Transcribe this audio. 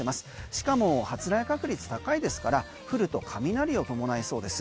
しかも発雷確率高いですから降ると雷を伴いそうです。